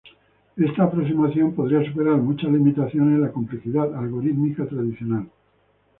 Esta aproximación podría superar muchas limitaciones en la complejidad algorítmica tradicional.